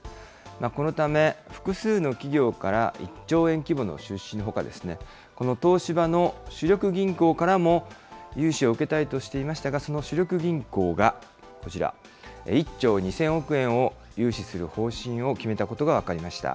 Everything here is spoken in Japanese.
このため、複数の企業から１兆円規模の出資のほか、この東芝の主力銀行からも、融資を受けたいとしていましたが、その主力銀行がこちら、１兆２０００億円を融資する方針を決めたことが分かりました。